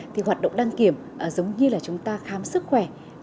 thì hoạt động đăng kiểm giống như là chúng ta khám sức khỏe